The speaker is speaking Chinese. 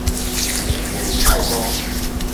蒙泰通。